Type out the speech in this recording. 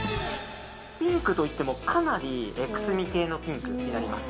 ピンクといってもかなりくすみ系のピンクになります。